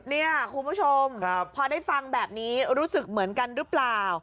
เนี่ยคุณผู้ชมพอได้ฟังแบบนี้รู้สึกเหมือนกันหรือเปล่า